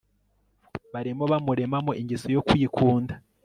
Barimo bamuremamo ingeso yo kwikunda